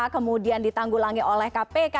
kemudian ditanggulangi oleh kpk